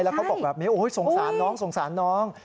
แล้วเขาบอกแบบโอ๊ยสงสารน้องน้อง